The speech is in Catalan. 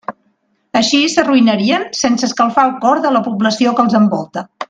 Així s'arruïnarien sense escalfar el cor de la població que els envolta.